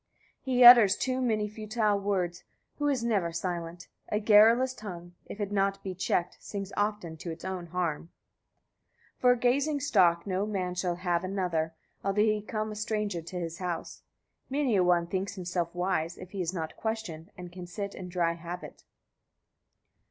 29. He utters too many futile words who is never silent; a garrulous tongue, if it be not checked, sings often to its own harm. 30. For a gazing stock no man shall have another, although he come a stranger to his house. Many a one thinks himself wise, if he is not questioned, and can sit in a dry habit.